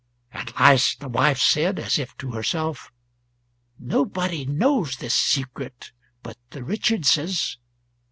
At last the wife said, as if to herself, "Nobody knows this secret but the Richardses